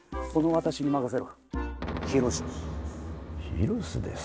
ヒロシです。